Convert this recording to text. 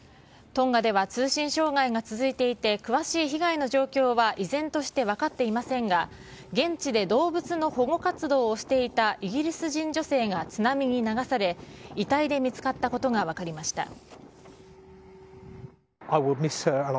トンガでは通信障害が続いていて、詳しい被害の状況は依然として分かっていませんが、現地で動物の保護活動をしていたイギリス人女性が津波に流され、遺体で見つかったことが分かりました。